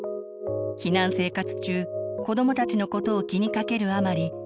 避難生活中子どもたちのことを気にかけるあまり